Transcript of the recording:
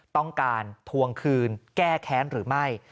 ต้องการทวงคืนแก้แค้นหรือไม่